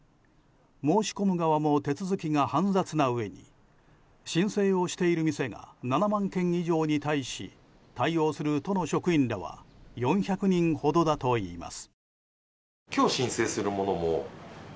申し込む側も手続きが煩雑なうえに申請をしている店が７万件以上に対し対応する都の職員らは４００人ほどだといいます。